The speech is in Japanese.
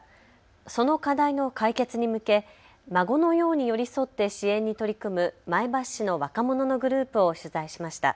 その課題の解決に向け孫のように寄り添って支援に取り組む前橋市の若者のグループを取材しました。